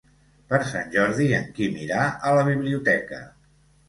Per Sant Jordi en Quim irà a la biblioteca.